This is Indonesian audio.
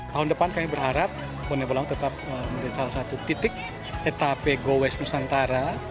tahun depan kami berharap bone bolango tetap menjadi salah satu titik etape gowes nusantara